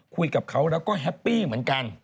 คุยกับเขาแล้วก็แฮปปี้เหมือนกัน